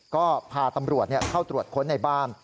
ก็พาตำรวจเข้าตรวจค้นในบ้าน